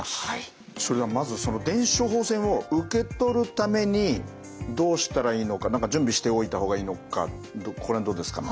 それではまずその電子処方箋を受け取るためにどうしたらいいのか何か準備しておいた方がいいのかここら辺どうですかね？